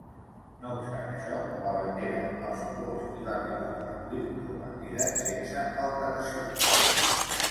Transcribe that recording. No obstant això, la bandera, els colors i la pilota de cuir romangueren sense alteracions.